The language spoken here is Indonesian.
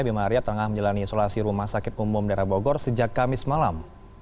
bima arya tengah menjalani isolasi rumah sakit umum daerah bogor sejak kamis malam